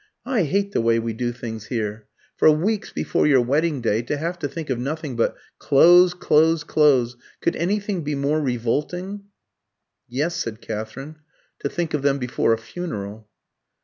I hate the way we do things here. For weeks before your wedding day to have to think of nothing but clothes, clothes, clothes could anything be more revolting?" "Yes," said Katherine, "to think of them before a funeral."